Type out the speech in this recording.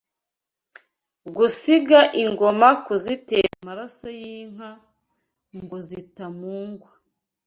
Gusiga ingoma Kuzitera amaraso y’inka ngo zitamungwa